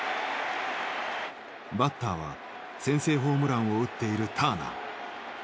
バッターは先制ホームランを打っているターナー。